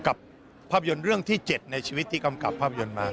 กับภาพยนตร์เรื่องที่๗ในชีวิตที่กำกับภาพยนตร์มา